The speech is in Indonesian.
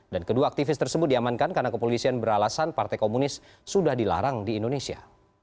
dan kedua aktivis tersebut diamankan karena kepolisian beralasan partai komunis sudah dilarang di indonesia